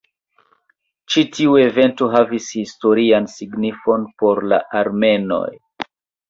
Ĉi tiu evento havis historian signifon por la armenoj.